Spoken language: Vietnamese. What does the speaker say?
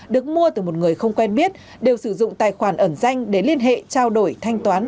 được mua từ một người không quen biết đều sử dụng tài khoản ẩn danh để liên hệ trao đổi thanh toán